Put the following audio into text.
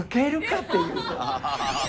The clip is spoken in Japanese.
っていう。